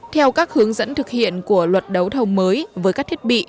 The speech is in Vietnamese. theo các hướng dẫn thực hiện của luật đấu thầu mới với các thiết bị